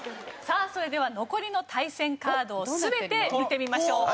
さあそれでは残りの対戦カードを全て見てみましょう。